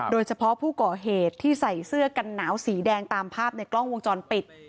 โดยเฉพาะผู้ก่อเหตุที่ใส่เสื้อกันหนาวสีแดงตามภาพในกล้องวงจรปิด